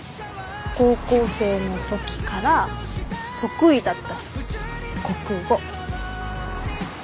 高校生のときから得意だったし国語。